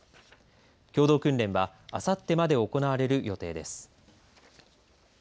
共同訓練はあさってまで行われる予定です。